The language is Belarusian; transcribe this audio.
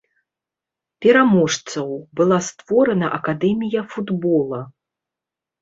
Пераможцаў, была створана акадэмія футбола.